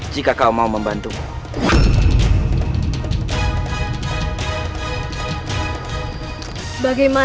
jika kau mau membantumu